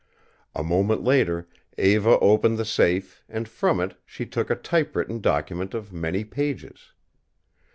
A moment later Eva opened the safe and from it she took a typewritten document of many pages.